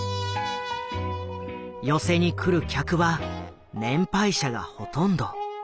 寄席に来る客は年配者がほとんど。